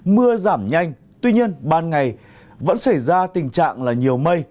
mưa giảm nhanh tuy nhiên ban ngày vẫn xảy ra tình trạng là nhiều mây